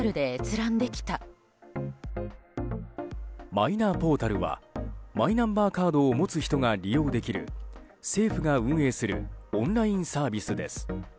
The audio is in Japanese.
マイナポータルはマイナンバーカードを持つ人が利用できる政府が運営するオンラインサービスです。